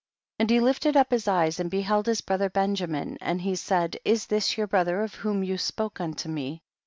9. And he lifted up his eyes and beheld his brother Benjamin, and he said, is this your brother of whom you spoke unto me?